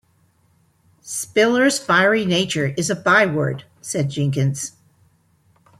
"Spiller's fiery nature is a byword," said Jenkins.